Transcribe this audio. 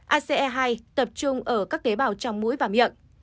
ase hai tập trung ở các tế bào trong mũi và miệng